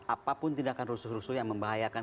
apapun tindakan rusuh rusuh yang membahayakan